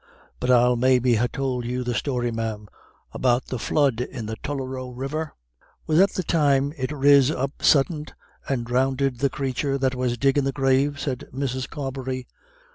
But I'll maybe ha' tould you the story, ma'am about the flood in the Tullaroe River?" "Was that the time it riz up suddint and dhrownded the crathur that was diggin' the grave?" said Mrs. Carbery.